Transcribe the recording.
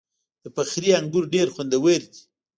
د فخری انګور ډیر خوندور دي.